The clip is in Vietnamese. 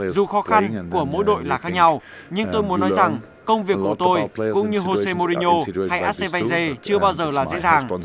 dù khó khăn của mỗi đội là khác nhau nhưng tôi muốn nói rằng công việc của tôi cũng như jose morino hay acv chưa bao giờ là dễ dàng